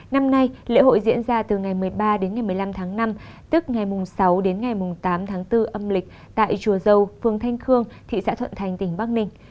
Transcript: năm nay lễ hội diễn ra từ ngày một mươi ba đến ngày một mươi năm tháng năm tức ngày sáu đến ngày tám tháng bốn âm lịch tại chùa dâu phương thanh khương thị xã thuận thành tỉnh bắc ninh